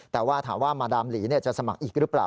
แต่ว่าถามว่ามาดามหลีจะสมัครอีกหรือเปล่า